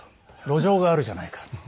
「路上があるじゃないか」。